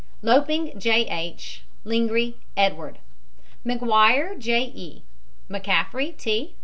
LOPING, J. H. LINGREY, EDWARD. MAGUIRE, J. E. McCAFFRY, T.